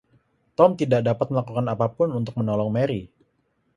Tom tidak dapat melakukan apapun untuk menolong Mary.